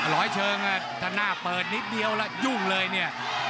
ร้อยเชิงถ้าหน้าเปิดนิดเดียวแล้วยุ่งเลยเนี่ย